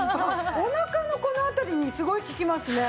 おなかのこの辺りにすごい効きますね。